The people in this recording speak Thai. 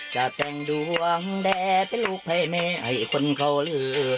จะแต่งดวงแด่เป็นลูกให้แม่ให้คนเขาลือ